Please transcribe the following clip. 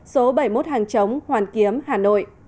số bảy mươi một hàng chống hoàn kiếm hà nội